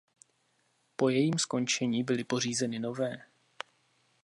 Po jejím skončení byly pořízeny nové.